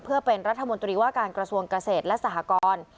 เพื่อเป็นรัฐมนตรีว่าการกระทรวงเกษตรและสหกร